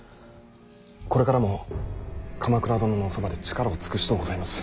これからも鎌倉殿のおそばで力を尽くしとうございます。